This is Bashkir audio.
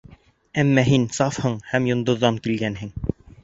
Әммә һин сафһың һәм йондоҙҙан килгәнһең...